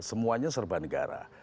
semuanya serba negara